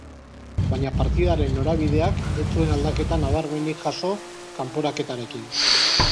Baina partidaren norabideak ez zuen aldaketa nabarmenik jaso kanporaketarekin.